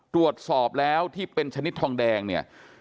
ตรวจสอบแล้วที่เป็นชนิดทองแดงเนี่ย